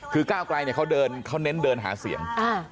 คือก้าวไกลเขาเน้นเดินหาเสียง